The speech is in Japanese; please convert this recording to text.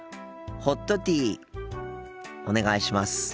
ホットティーお願いします。